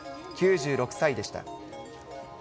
９６歳でした。